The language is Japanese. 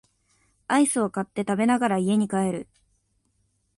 アイスを買って食べながら家に帰る